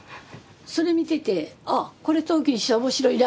それ見ててあっこれ陶器にしたら面白いな。